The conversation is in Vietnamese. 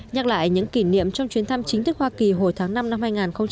nhắc lại những kỷ niệm trong chuyến thăm chính thức hoa kỳ hồi tháng năm năm hai nghìn